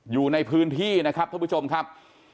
อยู่ในพื้นที่นะครับท่านผู้ชมครับ